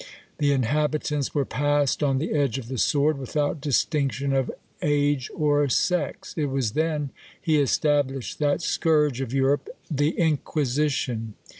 The inhabitants were passed on the edge of the sword, without distinction of age or sex. It was then he established that scourge of Europe, THE INQUISITION.